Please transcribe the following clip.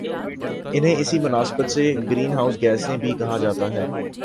انہیں اسی مناسبت سے گرین ہاؤس گیسیں بھی کہا جاتا ہے